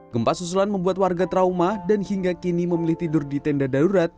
gempa susulan membuat warga trauma dan hingga kini memilih tidur di tenda darurat